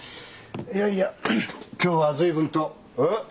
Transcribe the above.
いやいや今日は随分とえっ？